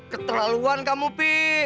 keterlaluan kamu pi